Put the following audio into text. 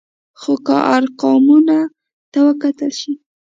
خو که ارقامو ته وکتل شي،